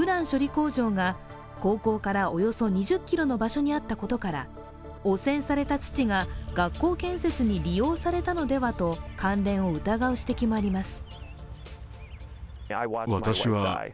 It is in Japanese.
工場が高校からおよそ２０ｋｍの場所にあったことから汚染された土が学校建設に利用されたのではと関連を疑う指摘もあります。